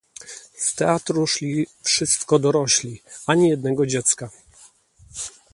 "Z teatru szli wszystko dorośli, ani jednego dziecka."